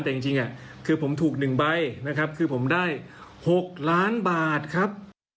แต่จริงคือผมถูก๑ใบนะครับคือผมได้๖ล้านบาทครับ